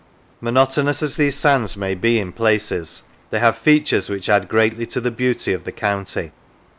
Monotonous as these sands may be in places, they have features which add greatly to the beauty of the county.